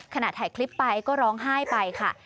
ขณะถ่ายคลิปไปก็ร้องไห้ไปค่ะ